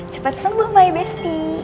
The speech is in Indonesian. cepat sembuh mbak ibesti